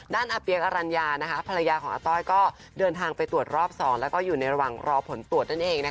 อาเปี๊ยกอรัญญาภรรยาของอาต้อยก็เดินทางไปตรวจรอบ๒แล้วก็อยู่ในระหว่างรอผลตรวจนั่นเอง